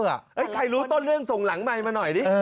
เอ้ยใครรู้ต้นเรื่องส่งหลังใหม่มาหน่อยนิ